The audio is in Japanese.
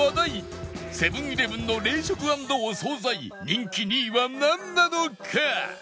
セブン−イレブンの冷食＆お惣菜人気２位はなんなのか？